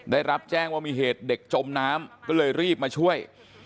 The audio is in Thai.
ได้รับแจ้งว่ามีเหตุเด็กจมน้ำก็เลยรีบมาช่วย